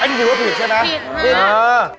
นี่ถือว่าผิดใช่ไหมอ๋อผิด